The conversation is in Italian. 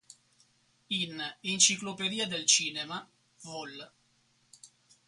In: "Enciclopedia del Cinema", Vol.